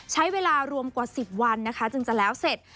ใช้เวลารวมกว่า๑๐วันนะคะจึงจะแล้วเสร็จ